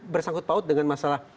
bersangkut paut dengan masalah